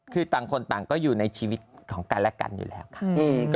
คือต่างคนต่างก็อยู่ในชีวิตของกันและกันอยู่แล้วค่ะ